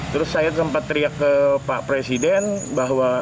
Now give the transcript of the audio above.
terus saya sempat teriak ke pak presiden bahwa